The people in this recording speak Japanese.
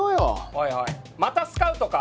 おいおいまたスカウトか！？